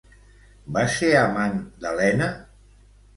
Va ser amant d'Helena?